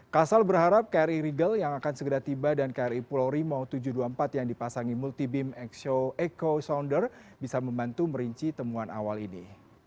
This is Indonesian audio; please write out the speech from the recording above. kasal berharap kri rigel yang akan segera tiba dan kri pulau rimau tujuh ratus dua puluh empat yang dipasangi multi beam echo sounder bisa membantu merinci temuan awal ini